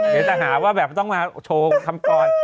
เดี๋ยวจะหาว่าแบบต้องมาโชว์คำกร